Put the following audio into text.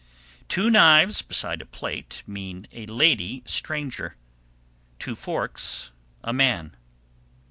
_ 765. Two knives beside a plate mean a lady stranger; two forks, a man.